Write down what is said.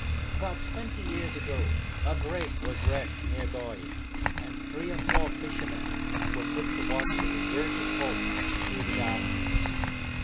About twenty years ago a brig was wrecked near by, and three or four fishermen were put to watch the deserted hulk through the dark ness.